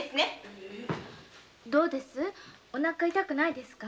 どうですか？